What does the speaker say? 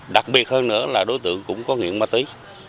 đặc biệt hơn nữa là đối tượng cũng có nguyện ma tí